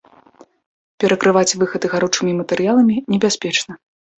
Перакрываць выхады гаручымі матэрыяламі небяспечна.